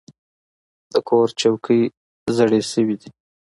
د کور څوکۍ زاړه شوي دي.